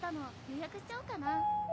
予約しちゃおうかな。